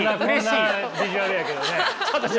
こんなビジュアルやけどね。